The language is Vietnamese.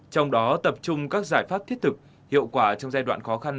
trong đó tập trung các giải pháp thiết thực hiệu quả trong giai đoạn khó khăn